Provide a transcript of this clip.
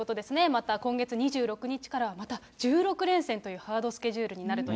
また、今月２６日からはまた１６連戦というハードスケジュールになると